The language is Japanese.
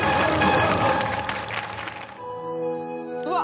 うわっ！